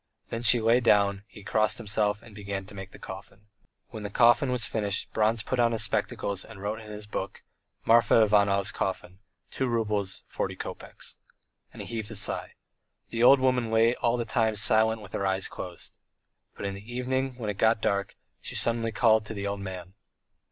Then she lay down, and he crossed himself and began making the coffin. When the coffin was finished Bronze put on his spectacles and wrote in his book: "Marfa Ivanov's coffin, two roubles, forty kopecks." And he heaved a sigh. The old woman lay all the time silent with her eyes closed. But in the evening, when it got dark, she suddenly called the old man.